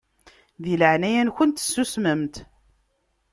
Di leɛnaya-nkent susmemt.